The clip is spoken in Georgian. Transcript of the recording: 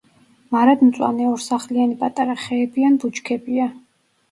მარადმწვანე ორსახლიანი პატარა ხეები ან ბუჩქებია.